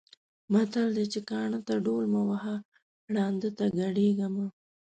متل دی چې: کاڼۀ ته ډول مه وهه، ړانده ته ګډېږه مه.